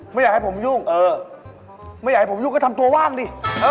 ไม่อยากให้ผมยุ่งเออไม่อยากให้ผมยุ่งก็ทำตัวว่างดิ